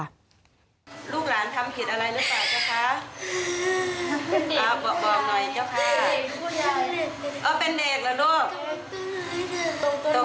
ลูกหลานทำผิดอะไรรึเปล่าเจ้าค่ะ